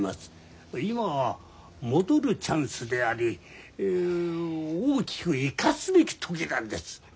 今は戻るチャンスであり大きく生かすべき時なんです。